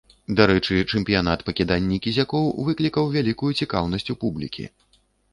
Дарэчы, чэмпіянат па кіданні кізякоў выклікаў вялікую цікаўнасць у публікі.